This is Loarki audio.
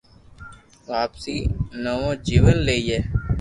واپسي نوو جيون لئي